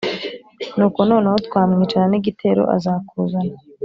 nuko noneho twamwicana nigitero azakuzana"